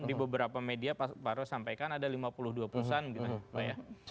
di beberapa media pak roy sampaikan ada lima puluh dua pusan gitu ya